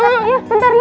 iya bentar ya